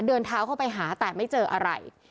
เดินเท้าเข้าไปหาแต่ไม่เจออะไร